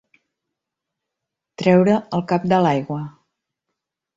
Treure el cap de l'aigua.